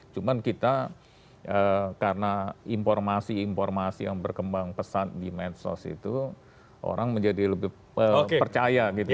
cuma kita karena informasi informasi yang berkembang pesat di medsos itu orang menjadi lebih percaya gitu ya